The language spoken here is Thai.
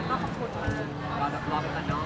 ขอบคุณมาก